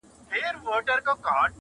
ایله پوه د خپل وزیر په مُدعا سو٫